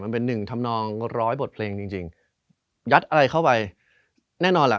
หนึ่งเป็นหนึ่งทำนองร้อยบทเพลงจริงจริงยัดอะไรเข้าไปแน่นอนแหละ